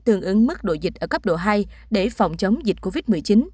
tương ứng mức độ dịch ở cấp độ hai để phòng chống dịch covid một mươi chín